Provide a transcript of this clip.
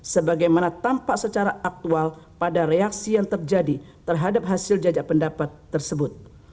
sebagaimana tampak secara aktual pada reaksi yang terjadi terhadap hasil jajak pendapat tersebut